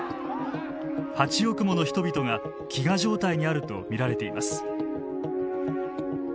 ８億もの人々が飢餓状態にあると見られています。